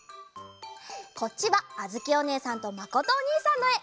こっちはあづきおねえさんとまことおにいさんのえ。